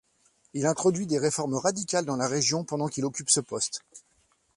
Il introduit des réformes radicales dans la région pendant qu'il occupe ce poste.